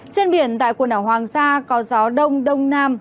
trên biển tại quần đảo hoàng sa có gió đông đông nam